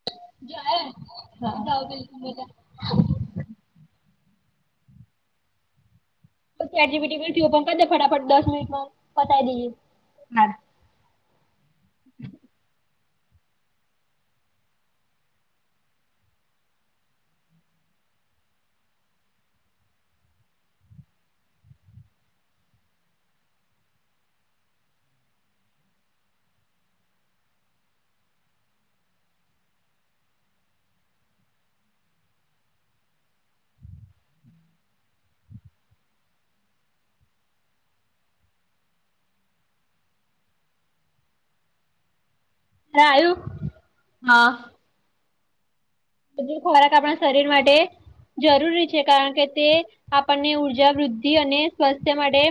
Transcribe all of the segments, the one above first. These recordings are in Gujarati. [inaudible] બીજી એકટીવીટી વિડયોમાં કર દે ફટાફટ દસ મિનિટમાં પતાવી દઈએ. હા. [unintelligible] હા. જે ખોરાક આપણા શરીર માટે જરૂરી છે કારણ કે તે આપણને ઉર્જા વૃદ્ધિ અને સ્વાસ્થ્ય માટે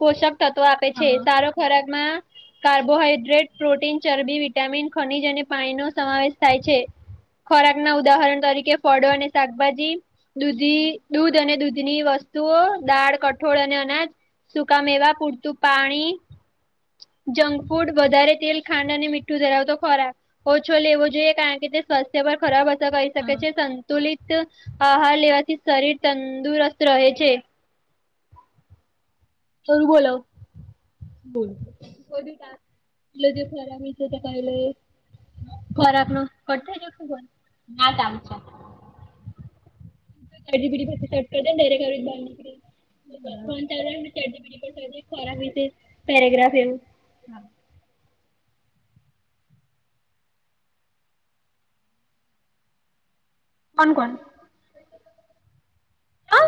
પોષક તત્વ આપે છે હા. સારો ખોરાકમાં કાર્બોહાઈડ્રેટ, પ્રોટીન, ચરબી, વિટામિન, ખનીજ અને પાણીનોો સમાવેશ થાય છે ના ઉદાહરણ તરીકે ફળો અને શાકભાજી દૂધ અને દૂધની વસ્તુઓ દાળ કઠોળ અને અનાજ સુકા મેવા પૂરતું પાણી જંક ફૂડ વધારે તેલ ખાંડ અને મીઠું ધરાવતો ખોરાક ઓછો લેવો જોઈએ કારણ કે તે સ્વાસ્થ્ય પર ખરાબ કહી શકે હા છે સંતુલિત આહાર લેવાથી શરીર તંદુરસ્ત રહે છે. [unintelligible] બોલ. એટલે જે ખરાબી છે તે ચલાવી લએ. ખોરાબ ન કટ થઈ ગયો. ના જમ છે. ઢડી પીડીટ દેનેરે ઘ બાર નીકળે ચ ચજી પીડી પણે [unintelligible] એના લીધે પેરાગ્રાફ જેવું હા. કોણ કોણ? હ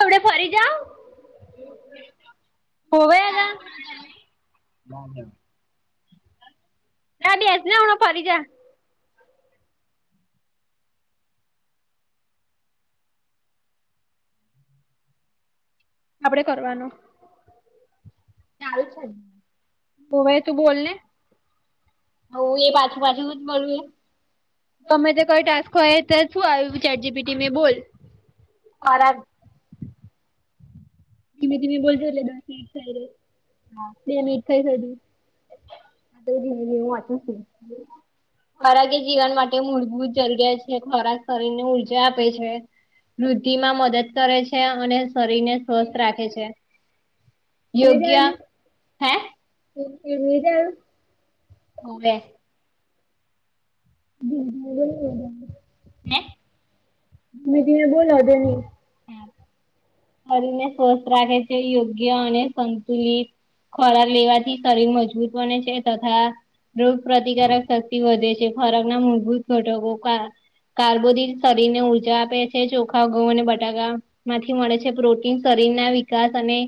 આપડે ફરી જા. હોવે આગા ના ના. ના બેસને હમણાં પછી જા. આપડે કરવાનું. ચાલ છે. ઓ ભાઈ તું બોલને. હ એ પાછુ પાછુ જ જોઈએ. તમે જયારે ટાસ્ક ખોલ્યા તો શું આવ્યું ચેટ જીપીટીમાં બોલ. ના ધીમે ધીમે બોલજો એટલે એનર્જી રહે. હા. એમ એક સાઇડ પકડો. અ દીને નું અતમ સ મારા જે જીવન માટે મૂળભૂત જરૂરિયાત છે ખોરાક શરીરને ઊર્જા આપે છે. વૃદ્ધિ માં મદદ કરે છે અને શરીર ને સ્વસ્થ રાખે છે. આવેલી વેજ યોગ્ય આવ્યું. હે? [inaudible] હોવે [inaudible] હે? મીધીને બહુ લાદે ની શરીરને સ્વસ્થ રાખે છે. યોગ્ય અને સંતુલિત ખોરાક લેવાથી શરીર મજબૂત બને છે. તથા રોગ પ્રતિકારક શક્તિ વધે છે. ખોરાકના મૂળભૂત ઘટકો કા કાર્બોદીન શરીરને ઉર્જા આપે છે, ચોખા ઘઉં અને બ ટાકા માંથી મળે છે પ્રોટીન શરીરના વિકાસ અને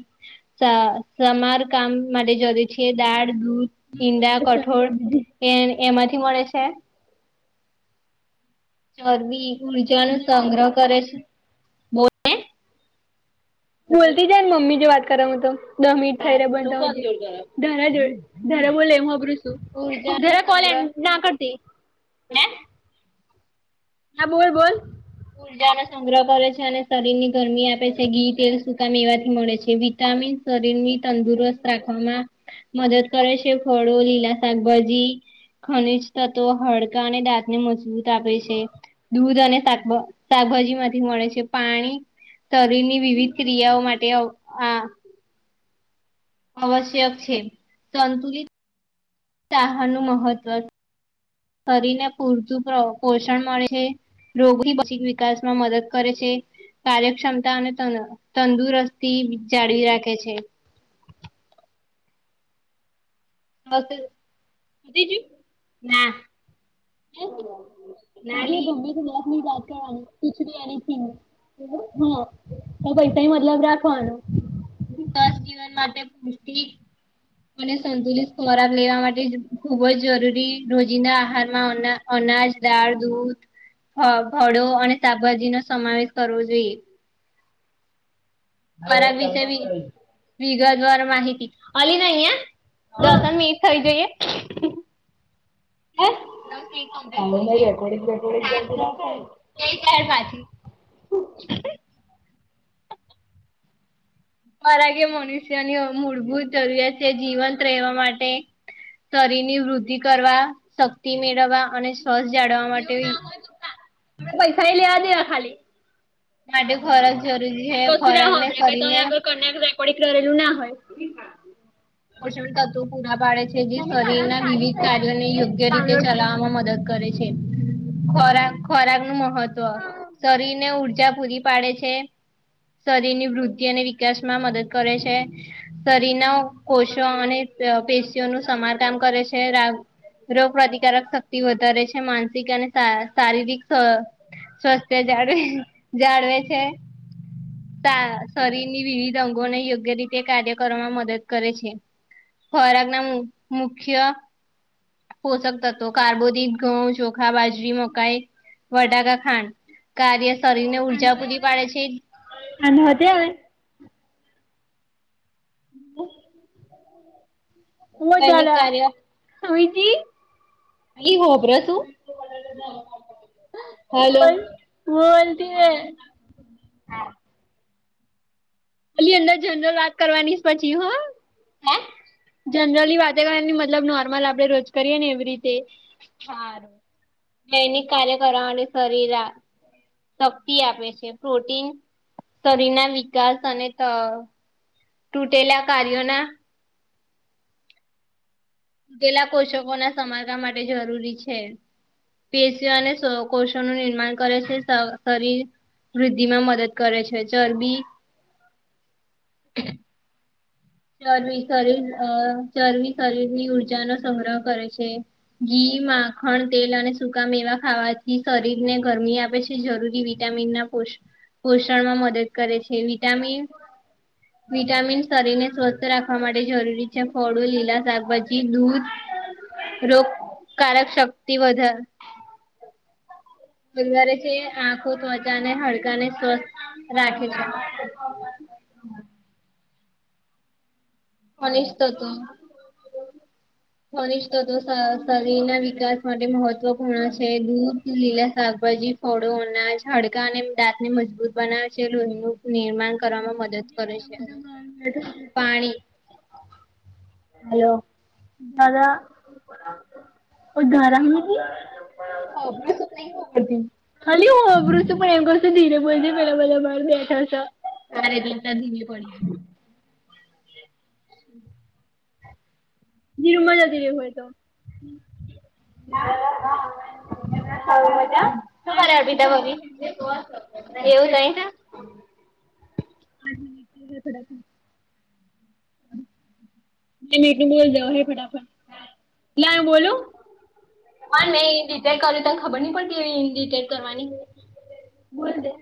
સા સમારકામ માટે જરૂરી છે દાળ દૂધ ઈંડા, ચાલુ કઠોળ કરી દીધી એ એમાંથી મળે છે. ચરબી ઉર્જાનો સંગ્રહ કરે છે. બોલ બોલતી જાય ને મમ્મી જો વાત કરી હું તો દહ મિનિટ થઈ રે ધરા જોડ ધરા બોલે હુંબરું છું ઉર્જાનો ધરા કોલે સંગ્રહ ના કરતી. હે હા બોલ બોલ ઉર્જાનો સંગ્રહ કરે છે અને શરીરની ગરમી આપે છે. ઘી, તેલ, સુકામ મેવાથી મળે છે વિટામિન શરીરની તંદુરસ્ત રાખવામાં મદદ કરે છે. ફળો, લીલા શાકભાજી. ખનીજ તત્વ હડકા અને દાંતને મજબૂત આપે છે. દૂધ અને શા શાકભાજીમાંથી મળે છે. પાણી શરીરની વિવિધ ક્રિયાઓ માટે આ આવશ્યક છે. સંતુલિત કે આહારનું મહત્વ શરીરને પૂરતું પોષણ મળે છે. રોગોની ભિક વિકાસમાં મદદ કરે છે. કાર્યક્ષમતા અને તંદુરસ્તી જાળવી રાખે છે. હા તે પતિ જ્યું? ના હજી નાલી ગમે તો નોકની જ વાત કરવાની. ખીચડી હ તો કઈ કઈ મતલબ રાખવાનું. સ્વસ્થ જીવન માટે પૌષ્ટિક અને સંતુલિત ખોરાક લેવા માટે ખુબ જ જરૂરી રોજીના આહારમાં અનાજ, દાળ, દૂધ હ ભડો અને શાકભાજીનો સમાવેશ કરવો જોઈએ. ખોરાક વિશે વિગત દ્વાર માહિતી અલી નઈ હહ દસન નહી મીટ થઇ જઈએ. હે આમાં રેકોર્ડંગ બેકોર્ડંગ કશું ના થાય ને ગઈ તાર પાછી ખોરાક એ મનુષ્યની હવે મૂળભૂત જરૂરીયાત છે જીવંત રહેવા માટે શરીરની વૃદ્ધિ કરવા, શક્તિ મેળવવા અને [inaudible] એવું ના હોય બકા હવે ખાઈ લેવા દે હવે ખાલી માટે ખોરાક જરૂરી છે કસુ ના ખોરાકને હોય ભઈ શરીરને તોય આગળ કોઈ નેક રેકોર્ડિંગ કરેલું ના હોય. પોષણ તત્વો પૂરા પાડે છે. જે શરીરના વિવિધ કાર્યોને યોગ્ય રીતે ડાઉનલોડ થાય ચલાવવામાં મદદ કરે છે. ખોરાક ખોરાકનું મહત્વ શરીરને ઊર્જા પૂરી પાડે છે. શરીરની વૃદ્ધિ અને વિકાસમાં મદદ કરે છે. શરીરનો કોષો અને પેશીઓનું સમારકામ કરે છે. રોગપ્રતિકારક શક્તિ વધારે છે, માનસિક અને શારીરિક અ સ્વસ્થ જાળવે જાળવે છે. તા શરીરની વિવિધ અંગોને યોગ્ય રીતે કાર્ય કરવામાં મદદ કરે છે. ખોરાક ના મું મુખ્ય પોષક તત્વો કાર્બોદિત ઘઉ, ચોખા, બાજરી, મકાઈ વટાકા, ખાંડ કાર્ય શરીર ને ઊર્જા પૂરી પાડે છે. અને મજા આવે. હુહ દૈનિક દલા કાર્ય હુઈજી. અલી હોભ્ર શું? હલો. બોલતીએ. હા. ખાલી અંદર જનરલ વાત કરવાનીસ પછી હો. હે. જનરલી વાત કરવાની મતલબ નોર્મલ આપડે રોજ કરીએ ને એવ રીતે. હારું દૈનિક કાર્ય કરવા અને શરીરઆ શક્તિ આપે છે, પ્રોટીન શરીરના વિકાસ અને ત તૂટેલા કાર્યોના તૂટેલા કોષકો ના સમારકામ માટે જરૂરી છે. પીએસયુ અને સ કોષોનું નિર્માણ કરે છે શ શરીર વૃદ્ધિ માં મદદ કરે છે ચરબી ચરબી કરી અ ચરબી શરીરની ઉર્જા નો સંગ્રહ કરે છે. ઘી, માખણ, તેલ અને સુકા મેવા ખાવાથી શરીર ને ગરમી આપે છે. થી જરૂરી વિટામિન ના પોષ પોષણમાં મદદ કરે છે વિટામિન વિટામિન શરીર ને સ્વસ્થ રાખવા માટે જરૂરી છે ફળો, લીલા શાકભાજી, દૂધ રોગકારક શક્તિ વધાર વધારે છે, આંખો ત્વચા ને હડકા ને સ્વસ્થ રાખે છે. અનેષ તો તો [inaudible] ખનીજતત્વો શ શરીર ના વિકાસ માટે મહત્વપૂર્ણ છે, દૂધ, લીલા શાકભાજી ફળો, અનાજ હાડકાં અને દાંતને મજબૂત બનાવે છે લોહીનું નિર્માણ કરવામાં મદદ કરે છે. પાણી હલો. દાદા ઓ ધારા હુઈ ગી ખાલી હું હોભળું તે પણ એમ કહું છું ધીરે બોલજે પેલા બધા બહાર બેઠા સ. તાર એટલે અત્યારે તારી ઢીંગલી પડી ગઈ. ધીરું મજા ધીરે હોય તો. [inaudible] તમે મજામ. શું કર અર્પિતાભાભી. એવું તહીં છે. [unintelligible] બે મિનિટ નું બોલ દે અવે હેડ ફટાફટ. લાય હુ બોલુ. હાલ નહી રીતે કર્યું તન ખબર નહીં પડતી એવી રીતે કરવાની. [unintelligible]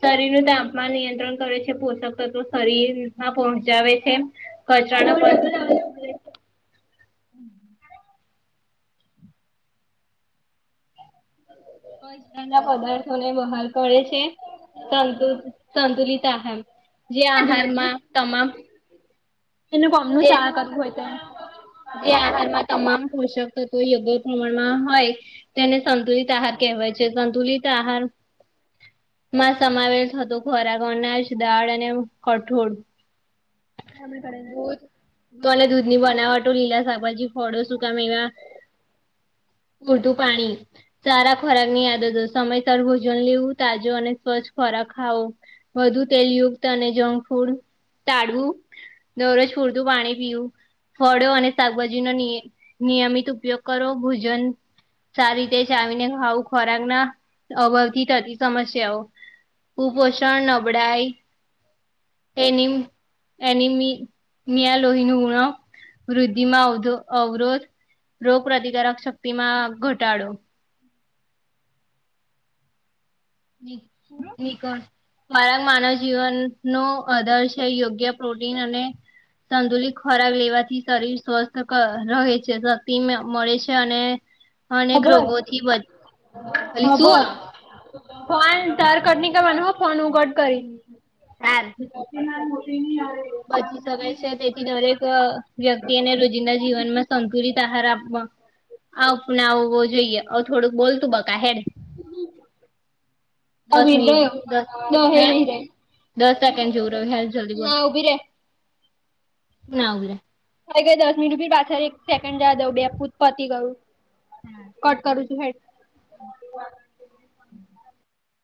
શરીરનું તાપમાન નિયંત્રણ કરે છે પોષક તત્વો શરીરમાં પહોંચાવે છે. કચરાના [unintelligible] કચરા ના પદાર્થો ને બહાર કરે છે. સંતુ સંતુલિત આહાર જે આહારમાં તમામ એમને કોમનું જે શઆ કરવું હોય તો જે આહારમાં તમામ પોષક તત્વો યોગ્ય પ્રમાણમાં હોય તેને સંતુલિત આહાર કહેવાય છે. સંતુલિત આહાર માં સમાવેશ હતો ખોરાક અનાજ દાળ અને કઠોળ દૂધ બને દૂધ ની બનાવટો લીલા શાકભાજી ફળો સુકા મેવા ઉર્દુ પાણી સારા ખોરાકની આદતો સમયસર ભોજન લેવું તાજો અને સ્વચ્છ ખોરાક ખાવો વધુ તેલયુક્ત અને જંક ફૂડ ટાળવું દરરોજ પૂરતું પાણી પીવું ફળો અને શાકભાજી નો નિય નિયમિત ઉપયોગ કરો ભોજન સારી રીતે ચાવીને આવું ખોરાક ના અભાવ થી થતી સમસ્યાઓ કુપોષણ નબળાય તેને એની મી મિયા લોહી નું રક્ત વૃદ્ધિમાં અવ અવરોધ રોગ પ્રતિકારક શક્તિ માં ઘટાડો ની નીકળ મારા માનવ જીવનનો આધર છે યોગ્ય પ્રોટીન અને સંતુલિત ખોરાક લેવાથી શરીર સ્વસ્થ ક રહે છે શક્તિ મળે છે અને અનેક આભાર રોગોથી બચી શું આભાર ફોન તારે કટ નહીં કરવાનો ફોન હું કટ કરીશ હાર [inaudible] બચી શકાય છે અને દરેક અ વ્યક્તિને રોજિંદા જીવનમાં સંતુલિત આહાર આપવા અપનાવવો જોઈએ થોડુંક બોલતું બકા હેડ [unintelligible] હા દસ મિનિટ દસ હે દસ સેકન્ડ જેવું રહ્યું હેલ જલ્દી ઉભી રે ના ઉભી રે થઈ ગઈ દસ મિનટી પાછળ એક સેકન્ડ જવા દઉં બે પૂત પતી ગયું. કટ કરું છું હેડ